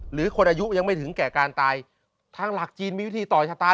หรือคนอายุยังไม่ถึงแก่การตายทางหลักจีนมีวิธีต่อชะตา